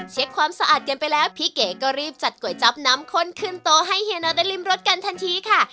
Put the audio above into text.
ความสะอาดกันไปแล้วพี่เก๋ก็รีบจัดก๋วยจับน้ำข้นขึ้นโต๊ะให้เฮียน็อตได้ริมรสกันทันทีค่ะ